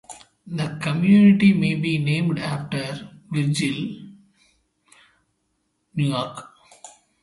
The community may be named after Virgil, New York.